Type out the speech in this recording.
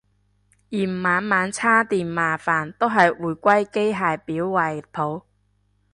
嫌晚晚叉電麻煩都係回歸機械錶懷抱